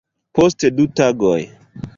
Post du tagoj